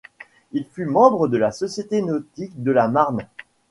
Il fut membre de la Société Nautique de la Marne.